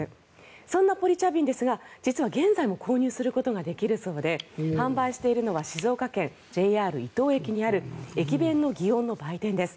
そんなポリ茶瓶ですが実は現在も購入することができるそうで販売しているのは静岡県、ＪＲ伊東駅にある駅弁の祇園の売店です。